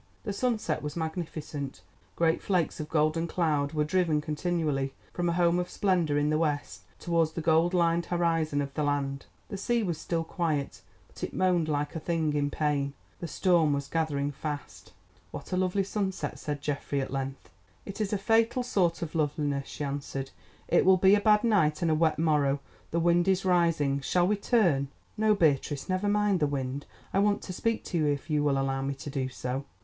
The sunset was magnificent; great flakes of golden cloud were driven continually from a home of splendour in the west towards the cold lined horizon of the land. The sea was still quiet, but it moaned like a thing in pain. The storm was gathering fast. "What a lovely sunset," said Geoffrey at length. "It is a fatal sort of loveliness," she answered; "it will be a bad night, and a wet morrow. The wind is rising; shall we turn?" "No, Beatrice, never mind the wind. I want to speak to you, if you will allow me to do so."